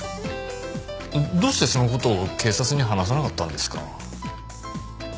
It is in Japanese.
どうしてその事を警察に話さなかったんですか？